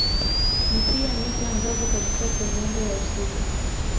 Ni pia nyota angavu kabisa kwenye anga ya usiku.